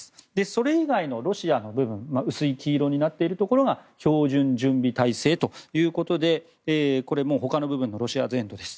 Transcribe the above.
それ以外のロシアの部分薄い黄色になっているところが標準準備体制ということで他の部分のロシア全土です。